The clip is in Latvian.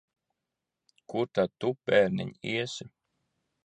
Kur tad tu, bērniņ, iesi?